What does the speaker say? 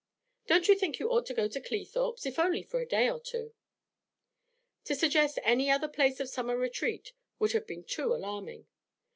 'Don't you think you ought to go to Cleethorpes, if only for a day or two?' To suggest any other place of summer retreat would have been too alarming.